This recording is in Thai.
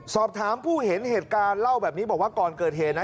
สอบถามผู้เห็นเหตุการณ์เล่าแบบนี้บอกว่าก่อนเกิดเหตุนะ